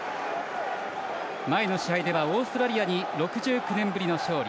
前の試合では、オーストラリアに６９年ぶりの勝利。